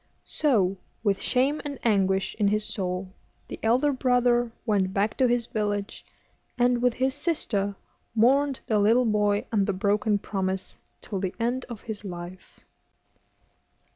So, with shame and anguish in his soul, the elder brother went back to his village, and, with his sister, mourned the little boy and the broken promise till the end of his life.